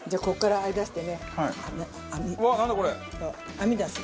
網出す。